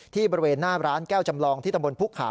บริเวณหน้าร้านแก้วจำลองที่ตำบลพุกขา